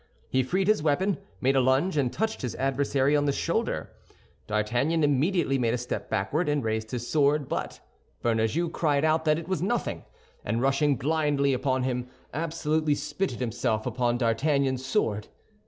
He freed his weapon, made a lunge, and touched his adversary on the shoulder. D'Artagnan immediately made a step backward and raised his sword; but Bernajoux cried out that it was nothing, and rushing blindly upon him, absolutely spitted himself upon D'Artagnan's sword.